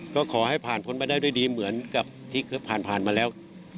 ก็ขอให้ผ่านพ้นไปได้ด้วยดีเหมือนกับที่เคยผ่านมาแล้ว